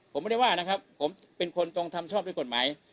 ผมไม่ได้ว่านะครับผมเป็นคนตรงทำชอบด้วยกฎหมาย